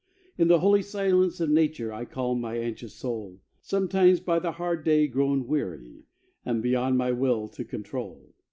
In the holy silence of nature I calm my anxious soul, Sometimes by the hard day grown weary, And beyond my will to control.